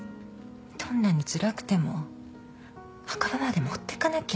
どんなにつらくても墓場まで持ってかなきゃ。